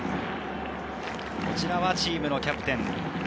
こちらはチームのキャプテン。